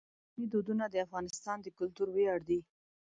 پښتني دودونه د افغانستان د کلتور ویاړ دي.